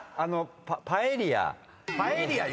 「パエリア」。